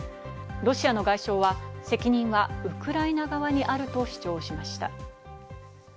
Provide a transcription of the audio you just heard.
ロシアの外相は責任はウクライナ側にあると主張しました。